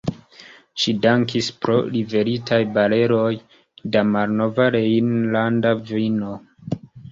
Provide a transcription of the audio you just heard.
Ŝi dankis pro liveritaj bareloj da malnova rejnlanda vino.